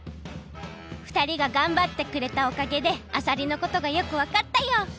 ふたりががんばってくれたおかげであさりのことがよくわかったよ！